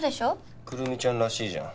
くるみちゃんらしいじゃん。